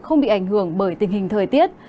không bị ảnh hưởng bởi tình hình thời tiết